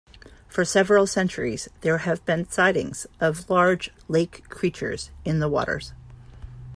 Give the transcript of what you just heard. For several centuries there have been sightings of large lake creatures in the waters.